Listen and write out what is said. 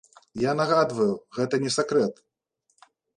Я нагадваю, гэта не сакрэт.